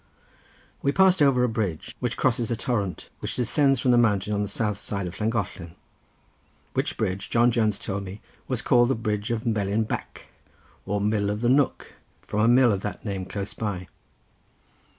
We passed over a bridge, which crosses a torrent, which descends from the mountain on the south side of Llangollen, which bridge John Jones told me was called the bridge of the Melin Bac, or mill of the nook, from a mill of that name close by.